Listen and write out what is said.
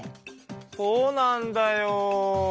そうなんだよ。